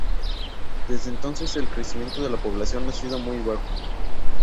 Desde entonces el crecimiento de la población ha sido muy bajo.